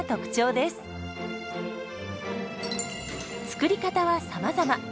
作り方はさまざま。